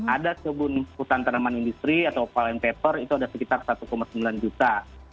ada kebun hutan tanaman industri atau fallen paper itu sudah sekitar satu sembilan juta